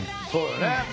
そうよね。